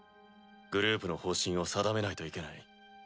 グループの方針を定めないといけない。